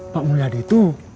pak mulia di itu